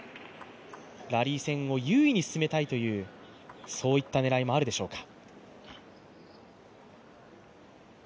ラリー戦を優位に進めたいという狙いもあるでしょうか。